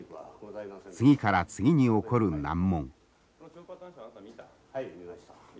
次から次に起こる難問。